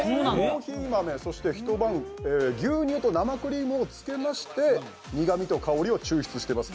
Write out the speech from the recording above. コーヒー豆と牛乳と生クリームを一晩つけまして、苦みと香りを抽出してます。